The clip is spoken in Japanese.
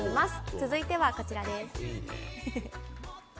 続いてはこちらです。